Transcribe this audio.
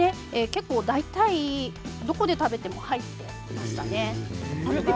大体どこで食べても入っていましたね。